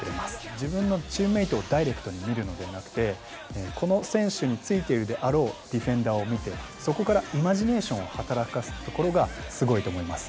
自分のチームメートをダイレクトに見るのではなくてこの選手についているであろうディフェンダーを見てそこからイマジネーションを働かすところがすごいと思います。